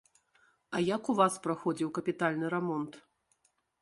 А як у вас праходзіў капітальны рамонт?